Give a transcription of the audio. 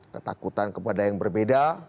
ketakutan kepada yang berbeda